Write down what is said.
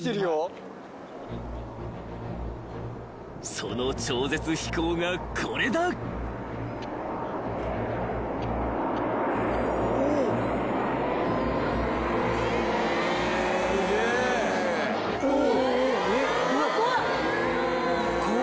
［その超絶飛行がこれだ］交差？